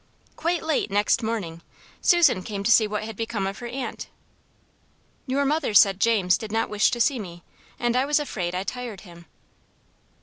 Quite late next morning, Susan came to see what had become of her aunt. "Your mother said James did not wish to see me, and I was afraid I tired him."